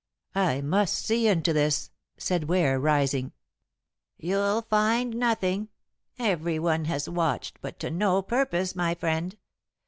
"I must see into this," said Ware, rising. "You'll find nothing. Everyone has watched, but to no purpose, my friend.